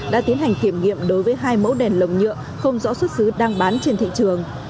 đã tiến hành kiểm nghiệm đối với hai mẫu đèn lồng nhựa không rõ xuất xứ đang bán trên thị trường